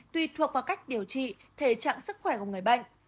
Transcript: tùy thuộc vào cách điều trị thể trạng sức khỏe của người bệnh